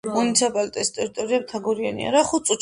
მუნიციპალიტეტის ტერიტორია მთაგორიანია.